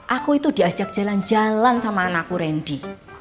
aku itu diajak jalan jalan sama anakku randy